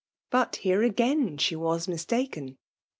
But here again she was mistaken.